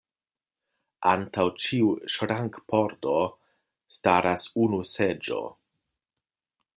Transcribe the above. Antaŭ ĉiu ŝrankpordo staras unu seĝo.